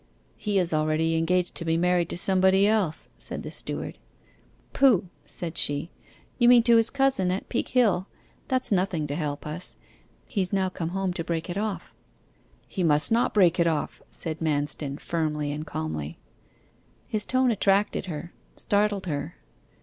'He is already engaged to be married to somebody else,' said the steward. 'Pooh!' said she, 'you mean to his cousin at Peakhill; that's nothing to help us; he's now come home to break it off.' 'He must not break it off,' said Manston, firmly and calmly. His tone attracted her, startled her.